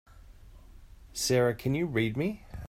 Sara can you read me?